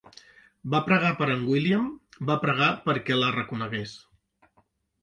Va pregar per en William, va pregar perquè la reconegués.